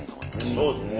そうですね。